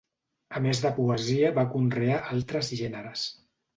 A més de poesia va conrear altres gèneres.